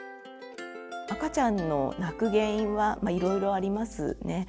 赤ちゃんの泣く原因はいろいろありますね。